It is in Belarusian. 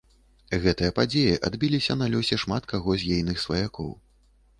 Гэтыя падзеі адбіліся на лёсе шмат каго з ейных сваякоў.